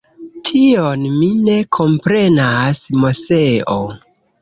Tion mi ne komprenas, Moseo.